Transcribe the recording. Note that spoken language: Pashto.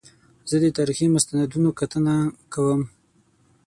زه د تاریخي مستندونو کتنه کوم.